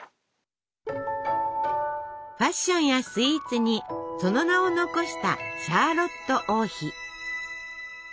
ファッションやスイーツにその名を残したシャーロット王妃。